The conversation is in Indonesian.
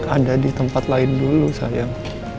ada di tempat lain dulu sayang